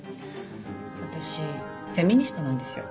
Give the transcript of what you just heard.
私フェミニストなんですよ。